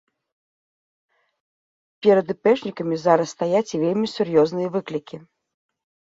Перад іпэшнікамі зараз стаяць вельмі сур'ёзныя выклікі.